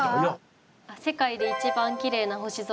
「世界で一番きれいな星空」。